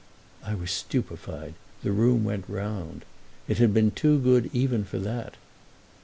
I was stupefied; the room went round. It had been too good even for that!